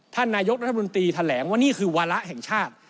ท่านนายกรัฐมนตรีแถลงว่านี่คือวาระแห่งชาติ